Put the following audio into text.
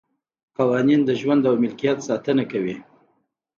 قوانین د ژوند او ملکیت ساتنه کوي.